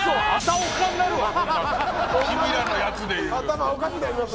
君らのやつでいう。